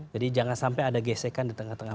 jadi jangan sampai ada gesekan di tengah tengah